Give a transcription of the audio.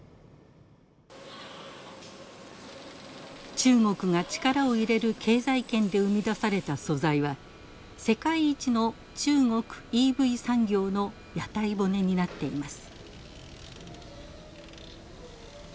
中国が力を入れる経済圏で生み出された素材は世界一の中国ＥＶ産業の屋台骨になっています。